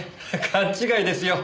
勘違いですよ。